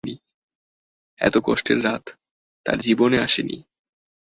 এত কষ্টের রাত তার জীবনে আসে নি।